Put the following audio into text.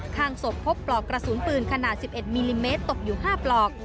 ข้างศพพบปลอกกระสุนปืนขนาด๑๑มิลลิเมตรตกอยู่๕ปลอก